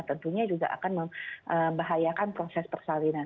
tentunya juga akan membahayakan proses persalinan